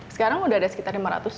sekarang sudah ada sekitar lima ratus